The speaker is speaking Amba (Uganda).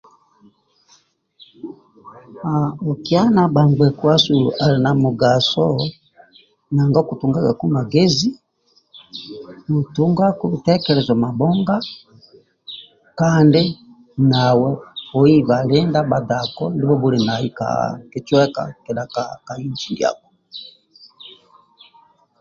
Okiana bhambgekuasu ali na mugaso nanga okutungagaku magezi otungaku bitekelezo mabhonga kandi nawe oibha miliye ndia bhadako ndibho obhuli nai ka kicweka kedha ka inji ndiako